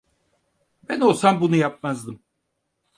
Ben olsam bunu yapmazdım.